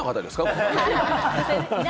これ。